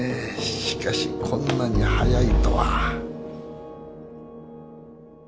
しかしこんなに早いとは。